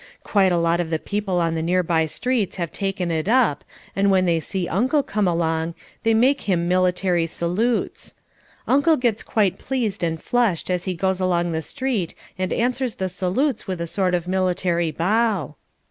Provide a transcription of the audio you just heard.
Quite a lot of the people on the nearby streets have taken it up and when they see Uncle come along they make him military salutes. Uncle gets quite pleased and flushed as he goes along the street and answers the salutes with a sort of military bow.